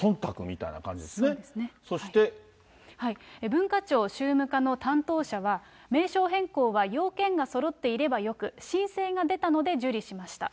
文化庁宗務課の担当者は、名称変更は、要件がそろっていればよく、申請が出たので、受理しました。